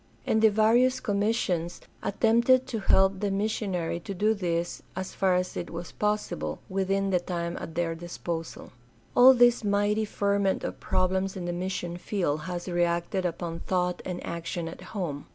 And the various commissions attempted to help the mis sionary to do this as far as it was possible within the time at their disposal. All this mighty ferment of problems in the mission field has reacted upon thought and action at home.